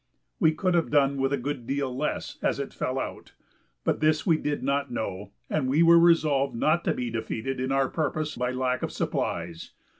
We could have done with a good deal less as it fell out, but this we did not know, and we were resolved not to be defeated in our purpose by lack of supplies.